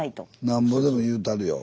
なんぼでも言うたるよ。